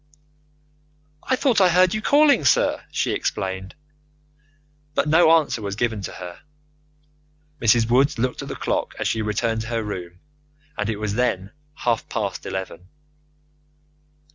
"I thought I heard you calling, sir," she explained, but no answer was given to her. Mrs. Woods looked at the clock as she returned to her room, and it was then half past eleven.